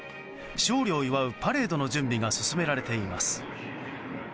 勝利を祝うパレードの準備が進められています。